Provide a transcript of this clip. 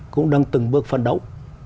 cũng đang từng bước phân đấu